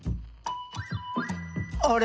あれ？